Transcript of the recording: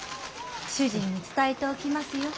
主人に伝えておきますよ。